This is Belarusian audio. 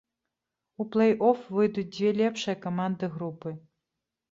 У плэй-оф выйдуць дзве лепшыя каманды групы.